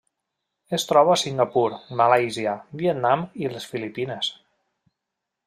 Es troba a Singapur, Malàisia, Vietnam i les Filipines.